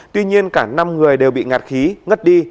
tuy nhiên cả năm người đều bị ngạt khí ngất đi